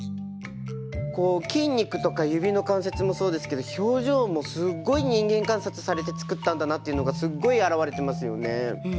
こう筋肉とか指の関節もそうですけど表情もすっごい人間観察されて作ったんだなっていうのがすっごい表れてますよね。